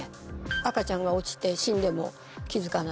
赤ちゃんが落ちて死んでも気付かない。